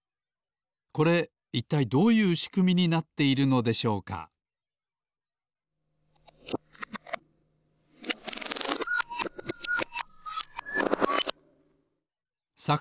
これいったいどういうしくみになっているのでしょうかさ